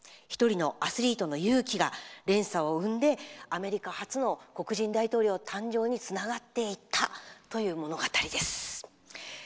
１人のアスリートの勇気が連鎖を生んで、アメリカ初の黒人大統領の誕生につながっていったという物語です。